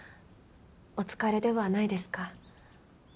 お疲れではないですか？